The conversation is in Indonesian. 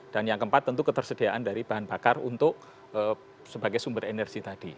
dan yang keempat tentu ketersediaan dari bahan bakar untuk sebagai sumber energi tadi